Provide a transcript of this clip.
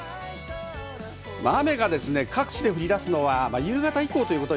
雨が各地で降り出すのは夕方以降です。